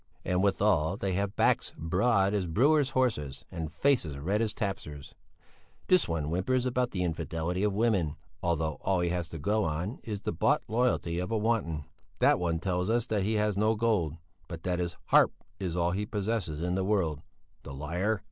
And withal they have backs broad as brewers' horses and faces red as tapsters. This one whimpers about the infidelity of women, although all he has to go on is the bought loyalty of a wanton; that one tells us that he has no gold, but that his "harp is all he possesses in the world" the liar!